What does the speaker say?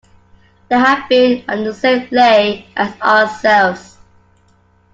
They had been on the same lay as ourselves.